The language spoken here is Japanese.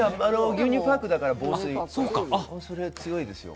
牛乳パックだから防水ですよ。